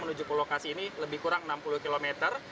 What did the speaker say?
menuju ke lokasi ini lebih kurang enam puluh kilometer